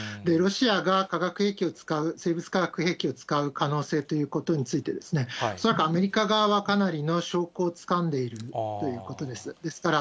ロシアが化学兵器を使う、生物化学兵器を使う可能性ということについて、恐らくアメリカ側はかなりの証拠をつかんでいるということです。